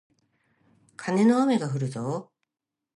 カネの雨がふるぞー